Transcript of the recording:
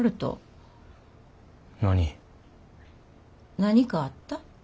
何かあった？